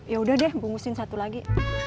yaudah deh bungusin satu lagi